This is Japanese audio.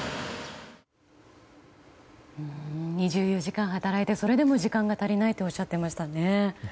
２４時間働いてそれでも時間が足りないとおっしゃっていましたね。